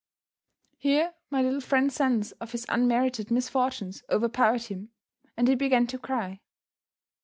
Here my little friend's sense of his unmerited misfortunes overpowered him, and he began to cry.